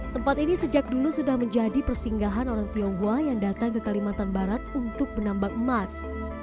tempat ini sejak dulu sudah menjadi persinggahan orang tionghoa yang datang ke kalimantan barat untuk menambang emas